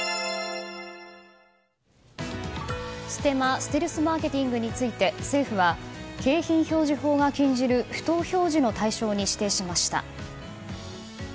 ステマ・ステルスマーケティングについて政府は、景品表示法が禁じる不当表示の対象に指定しました。